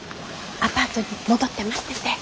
アパートに戻って待ってて。